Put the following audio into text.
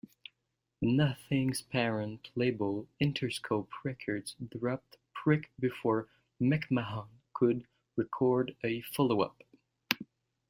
Nothing's parent label, Interscope Records, dropped Prick before McMahon could record a follow-up.